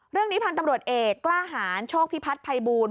เรื่องนี้พันธุ์ตำรวจเอกกล้าหารโชคพิพัฒน์ภัยบูล